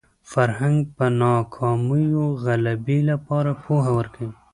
فرهنګ پر ناکامیو غلبې لپاره پوهه ورکوي